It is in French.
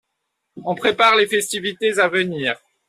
On prépare les festivités à venir.